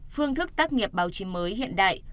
phương thức tác nghiệp báo chí mới hiện đại